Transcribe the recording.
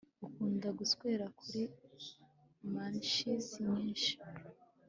ukunda guswera kuri munchies nyinshi